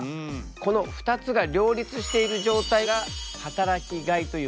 この２つが両立している状態が働きがいという言葉なんだ。